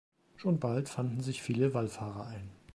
Schon bald fanden sich viele Wallfahrer ein.